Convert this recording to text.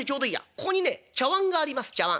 ここにね茶わんがあります茶わん。